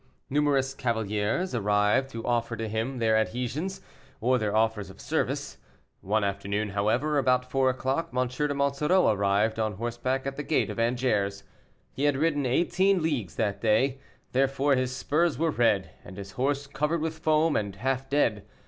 Numerous cavaliers arrived to offer to him their adhesions, or their offers of service. One afternoon, however, about four o'clock, M. de Monsoreau arrived on horseback at the gates of Angers. He had ridden eighteen leagues that day; therefore his spurs were red, and his horse covered with foam, and half dead.